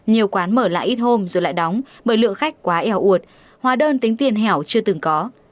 hà nội đã đóng bởi lượng khách quá eo ụt hóa đơn tính tiền hẻo chưa từng có